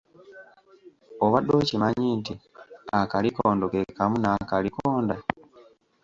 Obadde okimanyi nti akalikondo ke kamu na'kalikonda?